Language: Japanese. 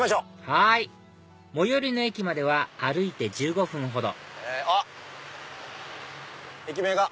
はい最寄りの駅までは歩いて１５分ほどあっ駅名が！